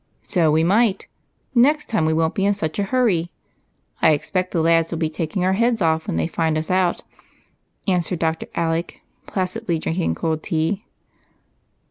" So we might. Next time we won't be in such a hurry. I expect the lads will take our heads off when they find us out," answered Dr. Alec, placidly drink ing cold tea.